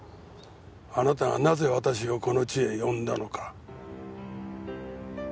あなたがなぜ私をこの地へ呼んだのか。